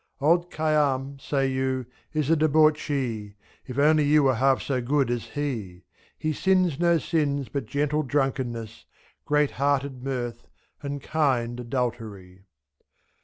Old Khayyam, say you, is a debauchee; If only you were half so good as he ! %U. He sins no sins but gentle drunkenness. Great hearted mirth, and kind adultery.